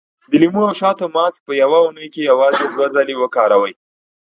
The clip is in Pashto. د لیمو او شاتو ماسک په يوه اونۍ کې یوازې دوه ځلې وکاروئ.